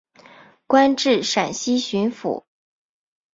官至陕西巡抚。